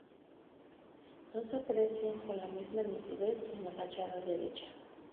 No se aprecian con la misma nitidez en la fachada derecha.